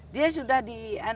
dia sudah di